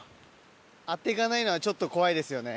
当てがないのはちょっと怖いですよね。